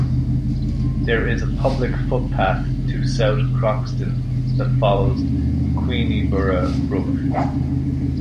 There is a public footpath to South Croxton that follows Queniborough Brook.